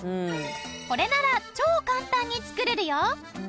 これなら超簡単に作れるよ。